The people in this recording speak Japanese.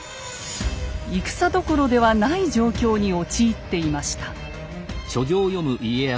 戦どころではない状況に陥っていました。